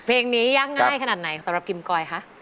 เพลงนี้ยากง่ายขนาดไหนสำหรับกิมกอยคะ